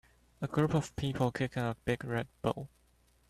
A group of people kicking a big red ball.